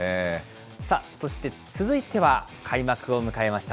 さあ、そして続いては、開幕を迎えました